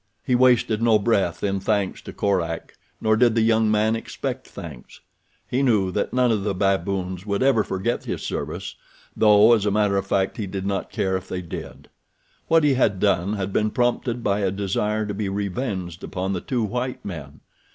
He wasted no breath in thanks to Korak, nor did the young man expect thanks. He knew that none of the baboons would ever forget his service, though as a matter of fact he did not care if they did. What he had done had been prompted by a desire to be revenged upon the two white men.